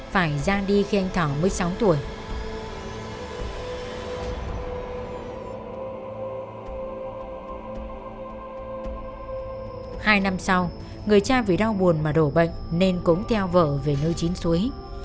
hai năm sau người cha vì đau buồn mà đổ bệnh nên cũng theo vợ về nơi chín suối